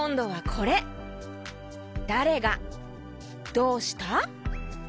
「どうした」？